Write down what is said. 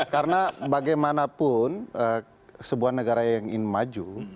karena bagaimanapun sebuah negara yang maju